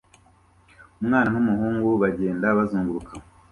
Umwana n'umuhungu bagenda bazunguruka